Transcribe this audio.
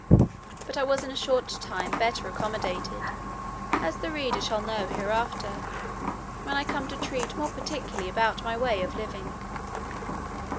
But I was in a short time better accommodated, as the reader shall know hereafter, when I come to treat more particularly about my way of living.